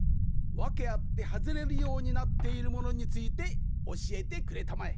わけあってはずれるようになっているものについておしえてくれたまえ。